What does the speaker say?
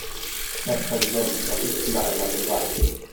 Herr Präsident, es ist wieder einmal soweit.